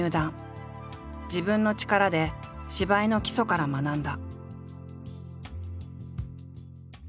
自分の力で芝居の基礎から学んだ。